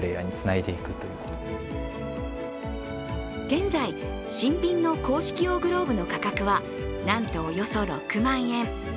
現在、新品の硬式用グローブの価格はなんと、およそ６万円。